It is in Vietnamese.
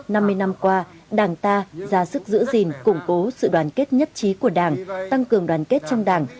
năm mươi năm qua đảng ta ra sức giữ gìn củng cố sự đoàn kết nhất trí của đảng tăng cường đoàn kết trong đảng